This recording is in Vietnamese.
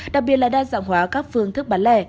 đặc biệt là đa dạng hóa các phương thức bán lẻ